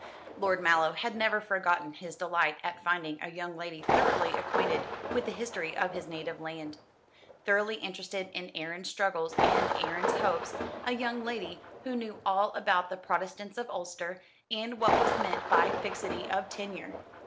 Lord Mallow had never forgotten his delight at finding a young lady thoroughly acquainted with the history of his native land, thoroughly interested in Erin's struggles and Erin's hopes; a young lady who knew all about the Protestants of Ulster, and what was meant by Fixity of Tenure.